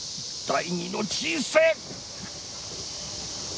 第二の人生。